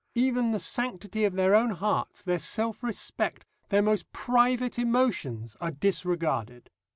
Even the sanctity of their own hearts, their self respect, their most private emotions are disregarded.